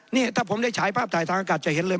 นี่ถ้าผมได้ฉายภาพถ่ายทางอากาศจะเห็นเลย